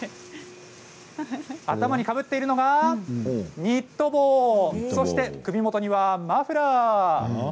頭にかぶっているのがニット帽そして、首元にはマフラー。